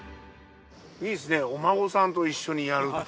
いいですねお孫さんと一緒にやるって。